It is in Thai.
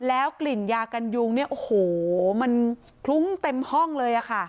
แล้วกลิ่นยากันยุงเนี่ยโอ้โหมันคลุ้งเต็มห้องเลยค่ะ